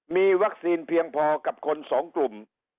มีวัคซีนเพียงพอกับคนสองกลุ่ม